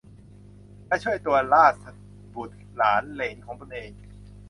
และช่วยตัวราษฎร บุตร หลาน เหลน ของตนเอง